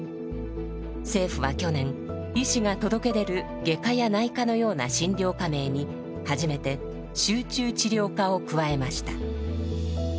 政府は去年医師が届け出る外科や内科のような診療科名に初めて「集中治療科」を加えました。